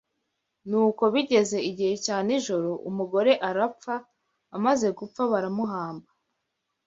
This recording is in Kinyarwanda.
Nuko bigeze igihe cya nijoro umugore arapfa amaze gupfa baramuhamba